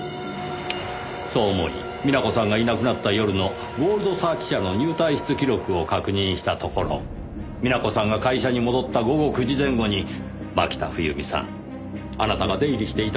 そう思い美奈子さんがいなくなった夜のゴールド・サーチ社の入退室記録を確認したところ美奈子さんが会社に戻った午後９時前後に牧田冬美さんあなたが出入りしていた事がわかりました。